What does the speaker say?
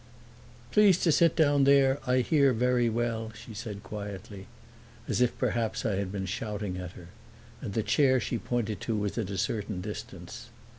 "Please to sit down there. I hear very well," she said quietly, as if perhaps I had been shouting at her; and the chair she pointed to was at a certain distance.